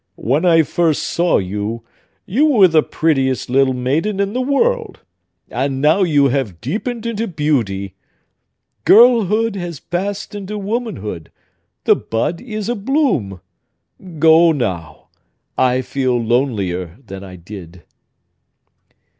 "When I first saw you, you were the prettiest little maiden in the world; and now you have deepened into beauty. Girlhood has passed into womanhood; the bud is a bloom! Go, now—I feel lonelier than I did."